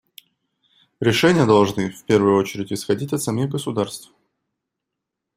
Решения должны, в первую очередь, исходить от самих государств.